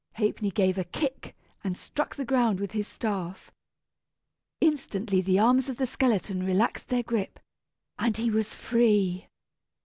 Ha'penny gave a kick, and struck the ground with his staff. Instantly the arms of the skeleton relaxed their grip, and he was free.